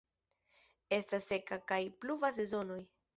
Estas seka kaj pluva sezonoj.